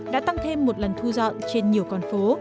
đã tăng thêm một lần thu dọn trên nhiều con phố